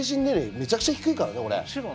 めちゃくちゃ低いからね。